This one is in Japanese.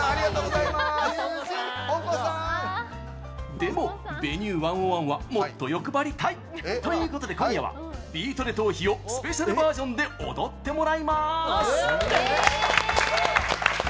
でも「Ｖｅｎｕｅ１０１」はもっと欲張りたい！ということで今夜は「ビートＤＥトーヒ」をスペシャルバージョンで踊ってもらいます！